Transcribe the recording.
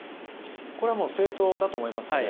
これは正当だと思いますね。